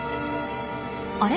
あれ？